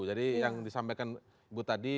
jadi yang disampaikan bu tadi